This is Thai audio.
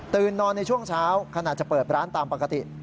นอนในช่วงเช้าขณะจะเปิดร้านตามปกติ